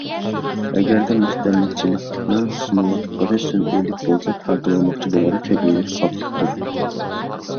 ئەگەردە مۇستەملىكىچىنىڭ سۇنۇۋاتقىنى سۈنئىيلىك بولسا، تارتىۋالماقچى بولغىنى تەبىئىيلىك، ساپلىقتۇر.